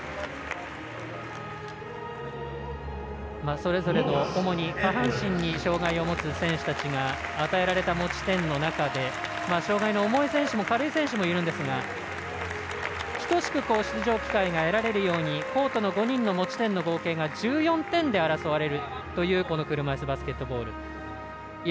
それぞれ主に下半身に障がいを持つ選手たちが与えられた持ち点の中で障がいの重い選手も軽い選手もいるんですが等しく出場機会が与えられるようにコートの中の持ち点が１４点で争われるというこの車いすバスケットボール。